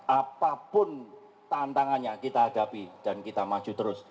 apapun tantangannya kita hadapi dan kita maju terus